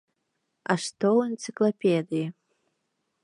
А што ў энцыклапедыі?